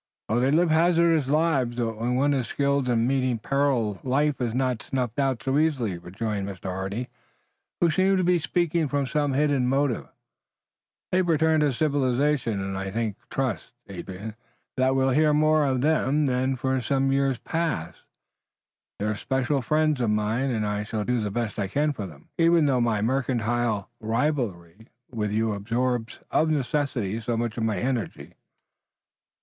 "Oh, they live hazardous lives, but when one is skilled in meeting peril life is not snuffed out so easily," rejoined Mr. Hardy who seemed to be speaking from some hidden motive. "They've returned to civilization, and I think and trust, Adrian, that we'll hear more of them than for some years past. They're especial friends of mine, and I shall do the best I can for them, even though my mercantile rivalry with you absorbs, of necessity, so much of my energy."